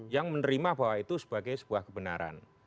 yang menerima bahwa itu sebagai sebuah kebenaran